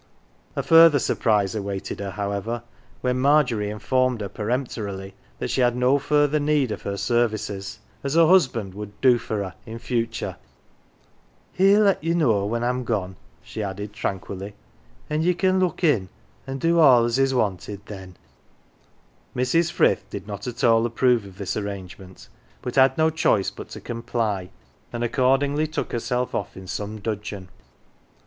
A further surprise awaited her, however, when Margery informed her peremptorily that she had no further need of her services, as her husband would " do for her " in future. 140 "THE GILLY F'ERS" " He" 1 !! let ye know when Fin gone," she added tranquilly, " an 1 ye can look in, an 1 do all as is wanted then." Mrs. Frith did not at all approve of this arrangement, but had no choice but to comply, and accordingly took herself off in some dudgeon.